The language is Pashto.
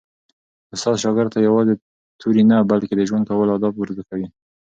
استاد شاګرد ته یوازې توري نه، بلکي د ژوند کولو آداب ور زده کوي.